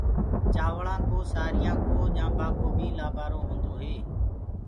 چآوݪآ ڪو سآريآ ڪو ڄآنٚڀآ ڪو بي لآبآرو هيندو هي۔